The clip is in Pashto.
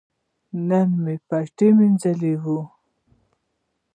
نن مې پټی مینځلي وو.